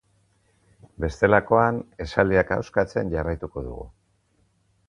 Bestelakoan esaldiak ahoskatzen jarraituko dugu.